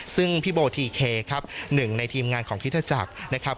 ซึ่งพี่โบทีเคครับหนึ่งในทีมงานของคริสตจักรนะครับ